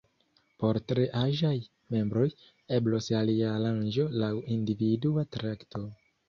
Por tre aĝaj membroj, eblos alia aranĝo laŭ individua trakto.